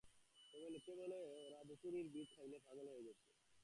তবে লোকে বলে, ওরা ধুতুরার বীজ খাইয়ে পাগল করে ফেলেছে।